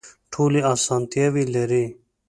ټولې اسانتیاوې لري.